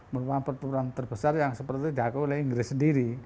merupakan pertempuran terbesar yang seperti diaku oleh inggris sendiri